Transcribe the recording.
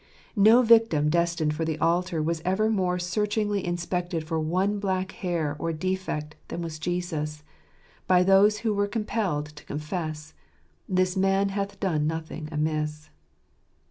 No victim destined for the altar was ever more searchingly inspected for one black hair or defect than was Jesus, by those who were compelled to confess, " This Man hath done nothing amiss."